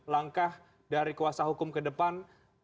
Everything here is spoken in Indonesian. langkah dari kuasa hukum ke depan